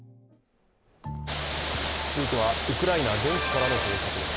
続いては、ウクライナ現地からの報告です。